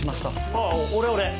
ああ俺俺。